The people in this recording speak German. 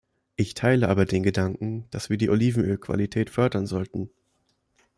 Ich teile aber den Gedanken, dass wir die Olivenölqualität fördern sollten.